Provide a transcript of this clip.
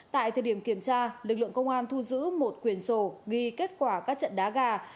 tại thời điểm kiểm tra lực lượng công an thu giữ một quyển sổ ghi kết quả các trận đá gà